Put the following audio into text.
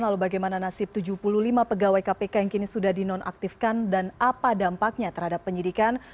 lalu bagaimana nasib tujuh puluh lima pegawai kpk yang kini sudah dinonaktifkan dan apa dampaknya terhadap penyidikan